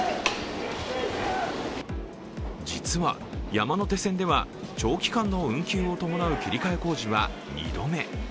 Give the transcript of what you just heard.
実は山手線では長期間の運休を伴う切り替え工事は２度目。